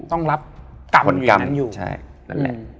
ต้องรับกรรมอยู่ใช่นั่นแหละ